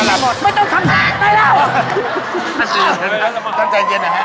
ลักษมันทำตำแหน่งในเรา